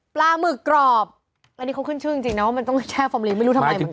หมึกกรอบอันนี้เขาขึ้นชื่อจริงนะว่ามันต้องแช่ฟอร์มลีไม่รู้ทำไมเหมือนกัน